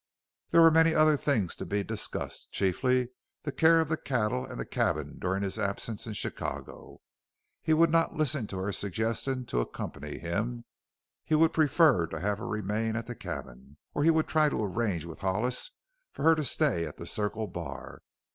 There were many other things to be discussed chiefly the care of the cattle and the cabin during his absence in Chicago. He would not listen to her suggestion to accompany him he would prefer to have her remain at the cabin. Or he would try to arrange with Hollis for her to stay at the Circle Bar.